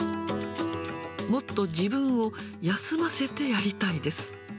もっと自分を休ませてやりたいです。